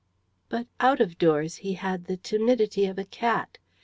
But out of doors he had the timidity of a cat.